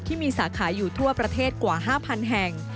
ที่มีสาขาอยู่ทั่วประเทศกว่า๕๐๐๐แห่ง